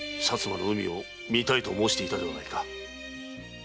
薩摩の海を見たいと申していたではないか。